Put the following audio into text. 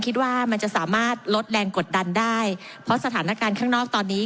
คิดว่ามันจะสามารถลดแรงกดดันได้เพราะสถานการณ์ข้างนอกตอนนี้